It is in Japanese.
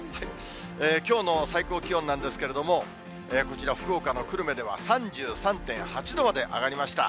きょうの最高気温なんですけれども、こちら、福岡の久留米では３３．８度まで上がりました。